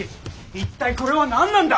一体これは何なんだ！